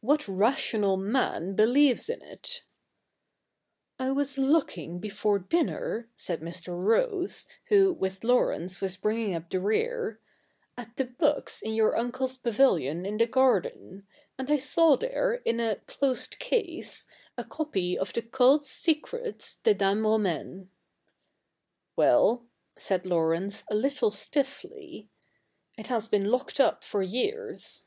What rational man believes in it ?'' I was looking before dinner," said ]\[r. Rose, who with Laurence was bringing up the rear, 'at the books in your uncle's pavilion in the garden ; and I saw there, in a closed case, a copy of the '• Cultes secrets des Dames Romaines." '' Well ?' said Laurence a little stiffly. ' It has been locked up for years.'